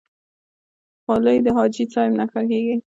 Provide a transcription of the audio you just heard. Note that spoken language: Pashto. خولۍ د حاجي صاحب نښه ګڼل کېږي.